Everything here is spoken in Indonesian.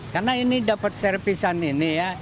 karena ini dapat servisan ini ya